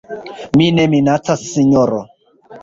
Mi ne minacas, sinjoro.